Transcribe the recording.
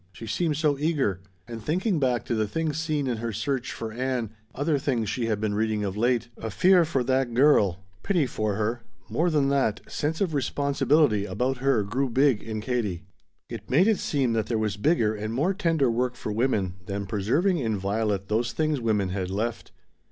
She seemed so eager. And thinking back to the things seen in her search for Ann, other things she had been reading of late, a fear for that girl pity for her more than that, sense of responsibility about her grew big in Katie. It made it seem that there was bigger and more tender work for women than preserving inviolate those things women had left.